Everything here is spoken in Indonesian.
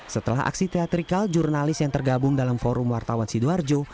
setelah aksi teatrikal jurnalis yang tergabung dalam forum wartawan sidoarjo